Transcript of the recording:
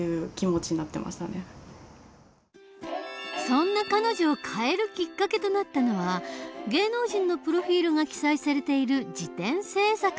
そんな彼女を変えるきっかけとなったのは芸能人のプロフィールが記載されている事典制作のアルバイト。